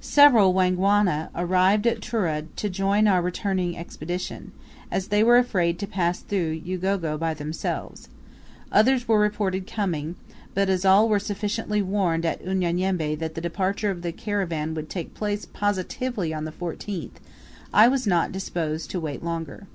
Several Wangwana arrived at Tura to join our returning Expedition, as they were afraid to pass through Ugogo by themselves; others were reported coming; but as all were sufficiently warned at Unyanyembe that the departure of the caravan would take place positively on the 14th, I was not disposed to wait longer.